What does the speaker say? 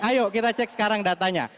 ayo kita cek sekarang datanya